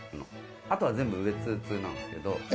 あとは全部、上ツーツーなんですけど。